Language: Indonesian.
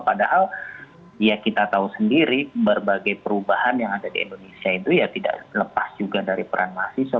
padahal ya kita tahu sendiri berbagai perubahan yang ada di indonesia itu ya tidak lepas juga dari peran mahasiswa